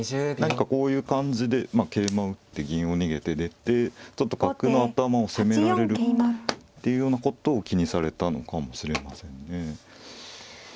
何かこういう感じで桂馬を打って銀を逃げて出てちょっと角の頭を攻められるっていうようなことを気にされたのかもしれませんね。